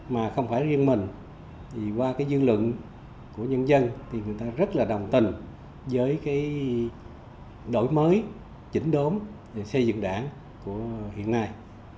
mà không phải riêng mình thì qua cái dư luận của nhân dân thì người ta rất là đồng tình với cái đổi mới chỉnh đốn về xây dựng đảng của hiện nay